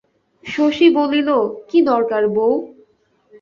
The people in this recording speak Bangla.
শশী বলিল, কী দরকার বৌ?